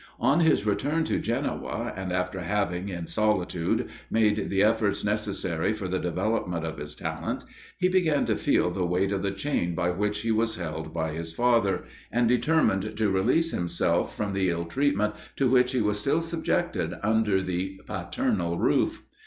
On his return to Genoa, and after having, in solitude, made the efforts necessary for the development of his talent, he began to feel the weight of the chain by which he was held by his father, and determined to release himself from the ill treatment to which he was still subjected under the paternal roof.